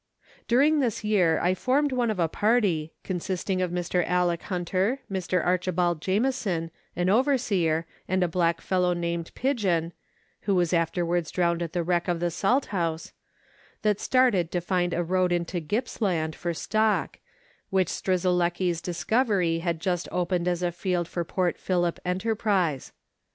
During this year I formed one of a party, consisting of Mr. Alick Hunter, Mr. Archibald Jamieson, an overseer, and a black fellow named " Pigeon" (who was afterwards drowned at the wreck of the Salthouse), that started to find a road into Gippsland for stock, which Strzelecki's discovery had just opened as a field for Port Phillip enterprise.